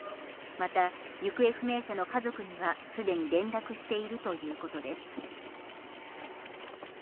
また、行方不明者の家族にはすでに連絡しているということです。